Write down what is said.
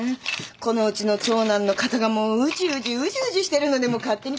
このうちの長男の方がもううじうじうじうじしてるので勝手に決めちゃいました。